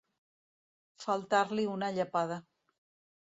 Faltar-li una llepada.